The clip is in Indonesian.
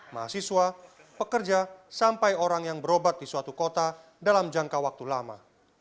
mahasiswa pekerja sampai orang yang berobat di suatu kota dalam jangka waktu lama